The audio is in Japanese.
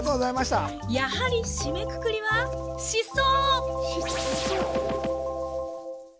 やはり締めくくりは疾走！